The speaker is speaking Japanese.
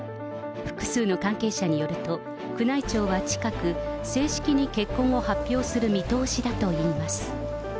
複数の関係者によると、宮内庁は近く、正式に結婚を発表する見通しだといいます。